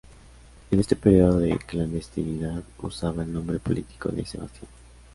En este periodo de clandestinidad usaba el nombre político de "Sebastián".